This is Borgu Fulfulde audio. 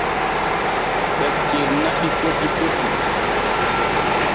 Ɓe cenna ɗi foti foti.